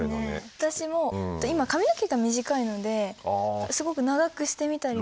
私も今髪の毛が短いのですごく長くしてみたりも。